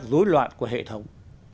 lối loạn của hệ thống